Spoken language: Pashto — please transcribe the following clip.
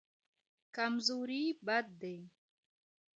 کمزوري بد دی.